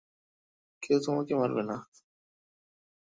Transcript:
কেউ তোমাকে মারবে না।